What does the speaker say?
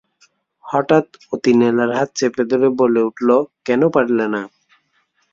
হঠাৎ অতীন এলার হাত চেপে ধরে বলে উঠল, কেন পারলে না?